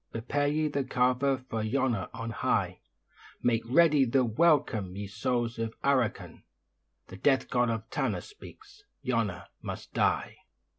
Prepare ye the 'cava' for 'Yona' on high; Make ready the welcome, ye souls of Arrochin. The Death God of Tanna speaks Yona must die.